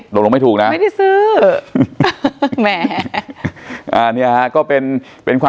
หลบลงไม่ถูกนะ